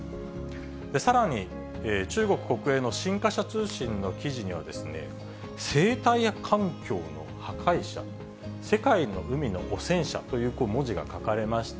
さらに、中国国営の新華社通信の記事には、生態環境の破壊者、世界の海の汚染者という文字が書かれました。